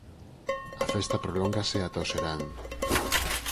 A festa prolóngase ata ó serán.